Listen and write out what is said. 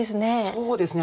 そうですね